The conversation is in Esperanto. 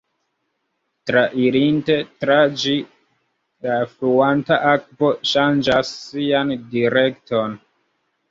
Trairinte tra ĝi, la fluanta akvo ŝanĝas sian direkton.